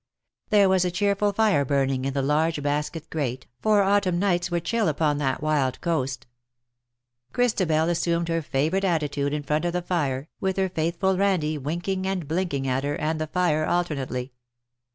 There was a cheerful fire burning in the large basket grate^ for autumn nights were chill upon that wild coast. Christabel assumed her favourite attitude in front of the fire, with her faithful Kandie winking and blinking at her and the fire alternately.